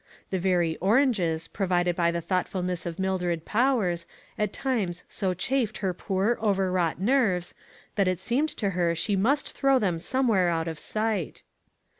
The very oranges, provided by the thoughtfulness of Mildred Powers, at times so chafed her poor, overwrought nerves, that it seemed to her she must throw them somewhere out of sight.